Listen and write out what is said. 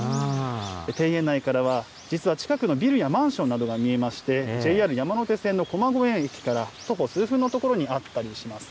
庭園内からは、実は近くのビルやマンションなどが見えまして、ＪＲ山手線の駒込駅から徒歩数分の所にあったりします。